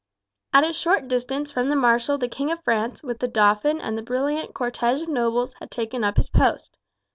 At a short distance from the marshal the King of France with the dauphin and the brilliant cortege of nobles had taken up his post.